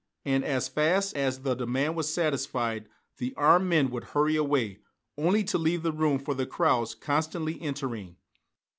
And as fast as the demand was satisfied, the armed men would hurry away, only to leave room for the crowds constantly entering.